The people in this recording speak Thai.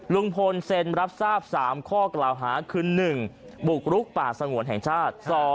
ลุงพลเซ็นรับทราบ๓ข้อกล่าวหาคือ๑บุกรุกป่าสงวนแห่งชาติ